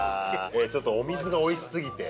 ちょっとお水がおいしすぎて。